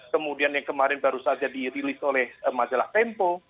kemudian yang kemarin baru saja dirilis oleh majalah tempo